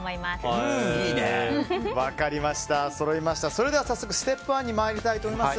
それでは早速ステップ１に参ります。